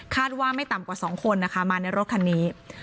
ว่าไม่ต่ำกว่า๒คนนะคะมาในรถคันนี้